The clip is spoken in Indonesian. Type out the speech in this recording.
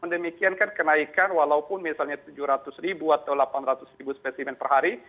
demikian kan kenaikan walaupun misalnya tujuh ratus ribu atau delapan ratus ribu spesimen per hari